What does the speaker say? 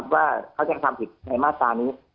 ว่าเขาได้ทำผิดในมาสานี้